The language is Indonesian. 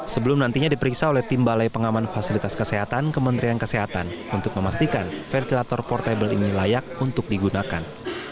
sebelum nantinya diperiksa oleh tim balai pengaman fasilitas kesehatan kementerian kesehatan untuk memastikan ventilator portable ini layak untuk digunakan